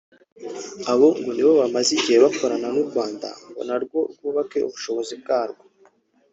Abo ngo nibo bamaze igihe bakorana n’u Rwanda ngo narwo rwubake ubushobozi bwarwo